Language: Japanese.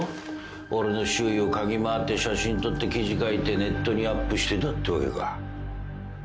俺の周囲を嗅ぎ回って写真撮って記事書いてネットにアップしてたってわけか。